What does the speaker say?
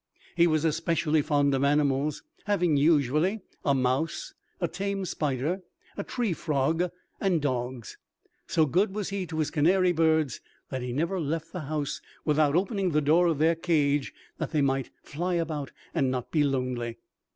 He was especially fond of animals, having usually a mouse, a tame spider, a tree frog, and dogs. So good was he to his canary birds that he never left the house without opening the door of their cage that they might fly about and not be lonely.